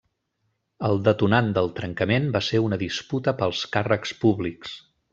El detonant del trencament va ser una disputa pels càrrecs públics.